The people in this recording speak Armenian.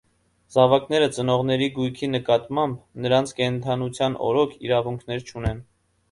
Զավակները ծնողների գույքի նկատմամբ, նրանց կենդանության օրոք, իրավունքներ չունեն։